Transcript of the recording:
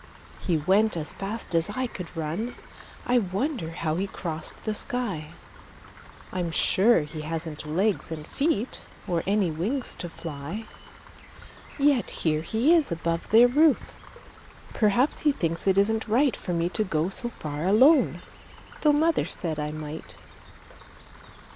He went as fast as I could run; I wonder how he crossed the sky? I'm sure he hasn't legs and feet Or any wings to fly. Yet here he is above their roof; Perhaps he thinks it isn't right For me to go so far alone, Tho' mother said I might.